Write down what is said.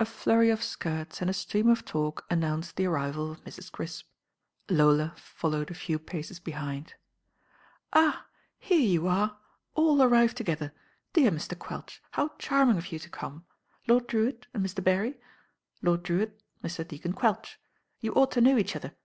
A flurry of skirts and a stream of talk annojnced the arrival of Mrs. Crisp. Lola followed a few paces behind. "Ah! here you are. All arrived together. Dear Mr. Quelch. How charming of you to come. Lord Drewitt, and Mr. Berry. Lord Drewitt, Mr. Deacon Quelch. You ought to know each other.